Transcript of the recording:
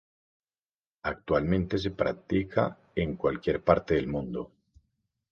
Actualmente se practica en cualquier parte del mundo.